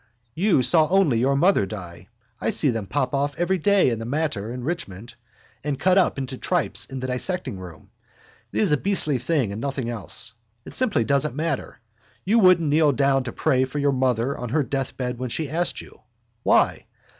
You saw only your mother die. I see them pop off every day in the Mater and Richmond and cut up into tripes in the dissectingroom. It's a beastly thing and nothing else. It simply doesn't matter. You wouldn't kneel down to pray for your mother on her deathbed when she asked you. Why?